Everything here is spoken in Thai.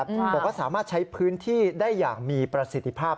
บอกว่าสามารถใช้พื้นที่ได้อย่างมีประสิทธิภาพ